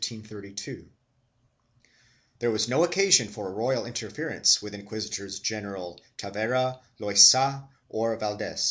2 There was no occasion for royal interference with Inquisitors general Tavera, Loaysa or Valdes.